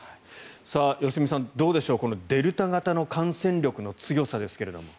良純さん、どうでしょうこのデルタ型の感染力の強さですが。